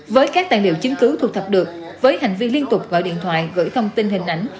với các tài liệu chính cứu thuộc thập được với hành vi liên tục gọi điện thoại gửi thông tin hình ảnh